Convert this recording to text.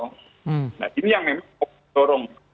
nah ini yang memang dorong